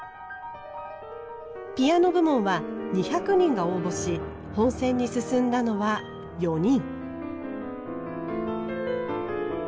ピアノ部門は２００人が応募し本選に進んだのは４人。